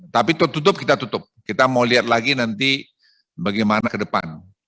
tapi tertutup kita tutup kita mau lihat lagi nanti bagaimana ke depan